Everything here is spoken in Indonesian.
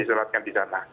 sholat di sana